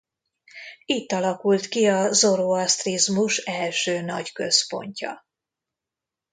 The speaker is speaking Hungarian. Itt alakult ki a zoroasztrizmus első nagy központja.